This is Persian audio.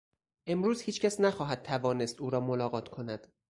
امروز هیچ کس نخواهد توانست او را ملاقات کند.